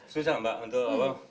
susah mbak untuk